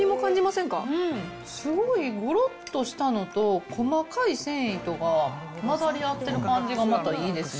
すごいごろっとしたのと、細かい繊維とが混ざり合ってる感じがまたいいですね。